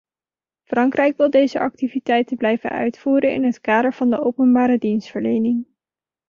Frankrijk wil deze activiteiten blijven uitvoeren in het kader van de openbare dienstverlening.